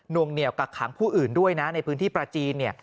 วงเหนียวกักขังผู้อื่นด้วยนะในพื้นที่ประจีน